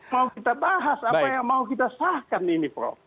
mau kita bahas apa yang mau kita sahkan ini prof